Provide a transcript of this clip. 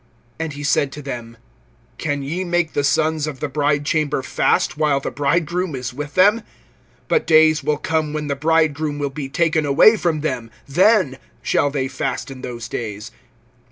(34)And he said to them: Can ye make the sons of the bridechamber fast, [5:34] while the bridegroom is with them? (35)But days will come, when the bridegroom will be taken away from them; then shall they fast in those days.